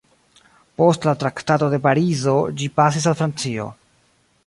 Post la Traktato de Parizo ĝi pasis al Francio.